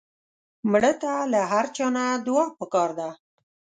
مړه ته له هر چا نه دعا پکار ده